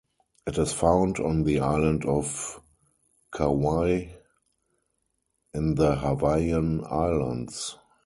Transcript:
It is found on the island of Kauai in the Hawaiian Islands.